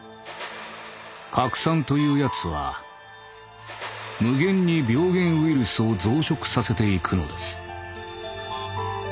核酸というやつは無限に病源ウイルスを増殖させて行くのです」。